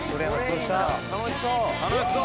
楽しそう！